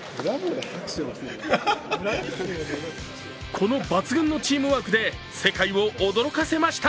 この抜群のチームワークで世界を驚かせました。